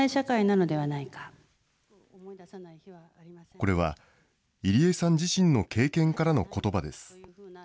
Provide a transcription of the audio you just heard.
これは、入江さん自身の経験からのことばです。